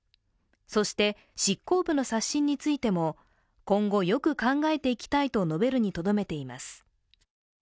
そして執行部の刷新についても、今後よく考えていきたいと述べるにとどめています。